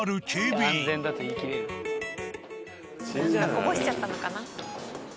こぼしちゃったのかな？